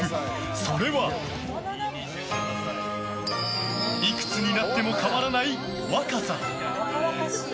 それは、いくつになっても変わらない若さ。